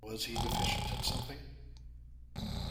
Was he deficient in something?